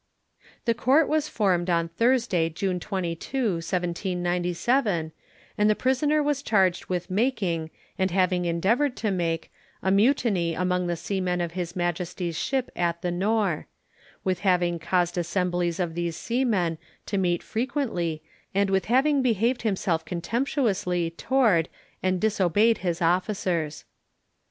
The Court was formed on Thursday, June 22, 1797, and the prisoner was charged with making, and having endeavoured to make, a mutiny among the seamen of His Majesty's ships at the Nore; with having caused assemblies of these seamen to meet frequently, and with having behaved himself contemptuously toward and disobeyed his officers.